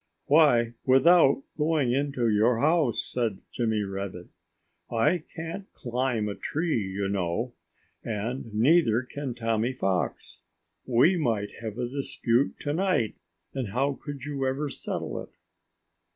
"Why, without going into your house!" said Jimmy Rabbit. "I can't climb a tree, you know. And neither can Tommy Fox. We might have a dispute to night; and how could you ever settle it?"